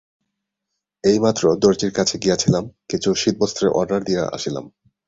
এইমাত্র দরজীর কাছে গিয়াছিলাম, কিছু শীতবস্ত্রের অর্ডার দিয়া আসিলাম।